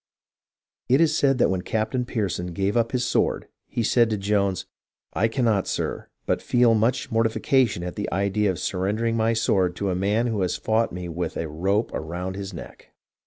^ It is said that when Captain Pearson gave up his sword, he said to Jones, " I cannot, sir, but feel much mortification at the idea of surrendering my sword to a man who has fought me with a rope ro7ind his neck.''